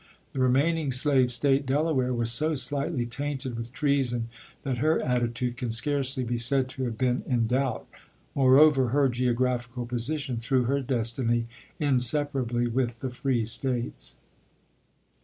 The remaining slave State, Dela ware, was so slightly tainted with treason that her attitude can scarcely be said to have been in THE CONFEDERATE MILITARY LEAGUE 253 doubt ; moreover, her geographical position threw chap. xiii. her destiny inseparably with the free States.